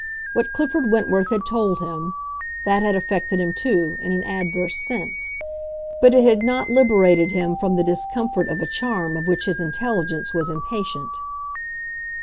What Clifford Wentworth had told him—that had affected him, too, in an adverse sense; but it had not liberated him from the discomfort of a charm of which his intelligence was impatient.